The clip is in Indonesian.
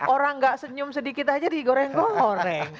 orang nggak senyum sedikit aja digoreng goreng